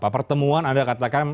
pertemuan anda katakan